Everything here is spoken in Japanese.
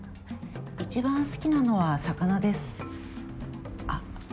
一番好きなのは魚ですあっ